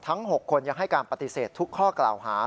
๖คนยังให้การปฏิเสธทุกข้อกล่าวหา